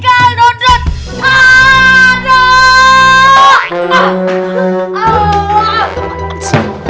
ayo kita adu seramai